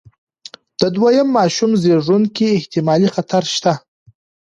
د دویم ماشوم زېږون کې احتمالي خطر شته.